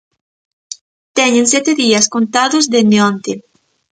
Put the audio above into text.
Teñen sete días contados dende onte.